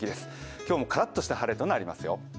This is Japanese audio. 今日もからっとした晴れになりますよ。